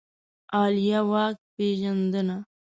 عالیه واک پېژندنه